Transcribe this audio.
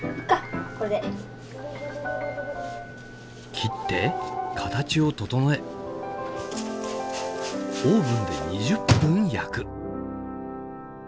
切って形を整えオーブンで２０分焼く。